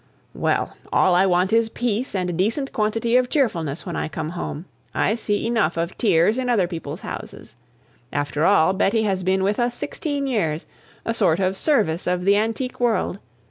"Well! all I want is peace and a decent quantity of cheerfulness when I come home. I see enough of tears at other people's houses. After all, Betty has been with us sixteen years a sort of service of the antique world.